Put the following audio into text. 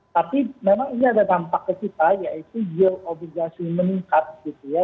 tapi memang ini ada dampak ke kita yaitu yield obligasi meningkat gitu ya